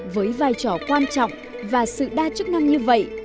với vai trò quan trọng và sự đa chức năng như vậy